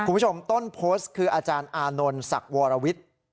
คุณผู้ชมต้นโพสต์คืออาจารย์อานนท์ศักดิ์วรวิทย์